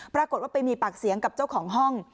ปรากฏว่าไปมีปากเสียงกับเจ้าของห้อง